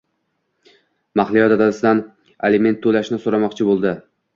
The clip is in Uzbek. Mahliyo dadasidan aliment to`lashini so`ramoqchi bo`ldi